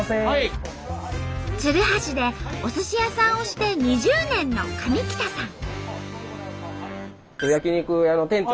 鶴橋でおすし屋さんをして２０年の上北さん。